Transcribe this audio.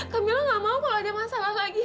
kak mila tidak mau kalau ada masalah lagi